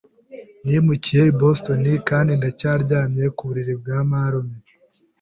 Nimukiye i Boston kandi ndacyaryamye ku buriri bwa marume.